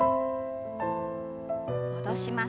戻します。